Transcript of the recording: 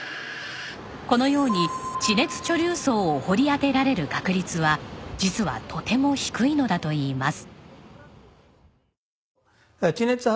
このように地熱貯留層を掘り当てられる確率は実はとても低いのだといいます。